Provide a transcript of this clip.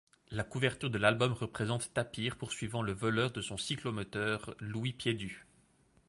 La couverture de l'album représente Tapir poursuivant le voleur de son cyclomoteur, Louis Piédu.